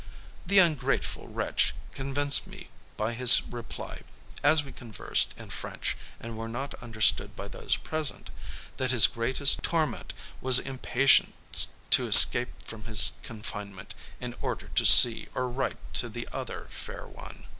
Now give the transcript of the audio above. The ungrateful wretch convinced me by his reply (as we conversed in French, and were not understood by those present) that his greatest torment was impatience to escape from his confinement, in order to see or write to the other fair one.